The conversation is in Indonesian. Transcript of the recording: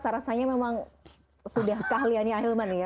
rasanya memang sudah keahliannya hilman ya